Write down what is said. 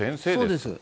そうです。